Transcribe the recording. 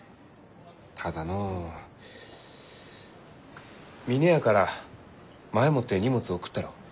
ただのう峰屋から前もって荷物を送ったろう？